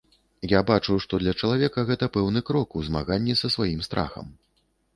Я бачу, што для чалавека гэта пэўны крок у змаганні са сваім страхам.